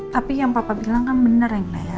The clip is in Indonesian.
tapi yang papa bilang kan bener ya